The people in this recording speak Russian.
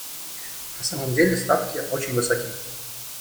На самом деле ставки очень высоки.